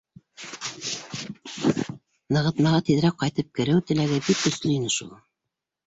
Нығытмаға тиҙерәк ҡайтып кереү теләге бик көслө ине шул.